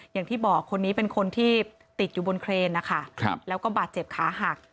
อย่างที่บอกคนนี้เป็นคนที่ติดอยู่บนเครนนะคะแล้วก็บาดเจ็บขาหัก